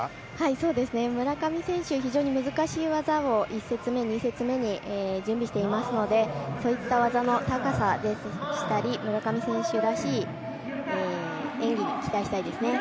そうですね、村上選手、非常に難しい技を１節目、２節目に準備していますので、そういった技の高さでしたり、村上選手らしい演技に期待したいですね。